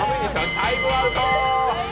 タイムアウト！